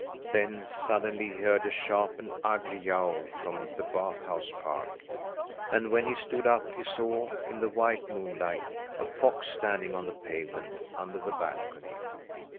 Then, suddenly, he heard a sharp and ugly yowl from the bath house park; and when he stood up he saw, in the white moonlight, a fox standing on the pavement under the balcony.